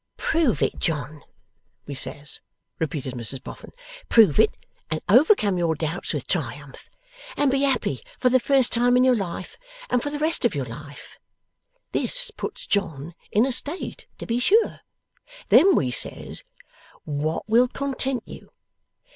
'"Prove it, John!" we says,' repeated Mrs Boffin. '"Prove it and overcome your doubts with triumph, and be happy for the first time in your life, and for the rest of your life." This puts John in a state, to be sure. Then we says, "What will content you?